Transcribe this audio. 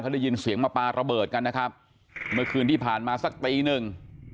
ได้ยินเสียงมาปลาระเบิดกันนะครับเมื่อคืนที่ผ่านมาสักตีหนึ่ง